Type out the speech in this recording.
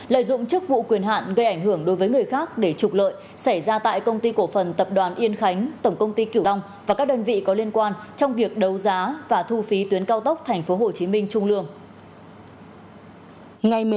lợi dụng chức vụ quyền hạn gây ảnh hưởng đối với người khác để trục lợi xảy ra tại công ty cổ phần tập đoàn yên khánh tổng công ty kiểu long và các đơn vị có liên quan trong việc đấu giá và thu phí tuyến cao tốc tp hcm trung lương